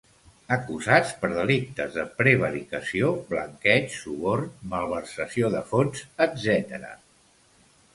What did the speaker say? Acusats per delictes de prevaricació, blanqueig, suborn, malversació de fons, etc.